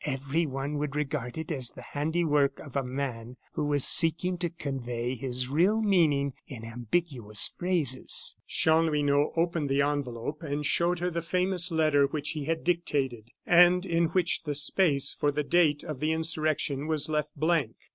Everyone would regard it as the handiwork of a man who was seeking to convey his real meaning in ambiguous phrases." Chanlouineau opened the envelope and showed her the famous letter which he had dictated, and in which the space for the date of the insurrection was left blank.